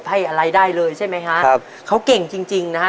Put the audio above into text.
ให้อะไรได้เลยใช่ไหมฮะครับเขาเก่งจริงจริงนะฮะ